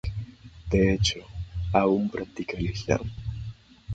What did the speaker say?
De hecho, aún práctica el Islam.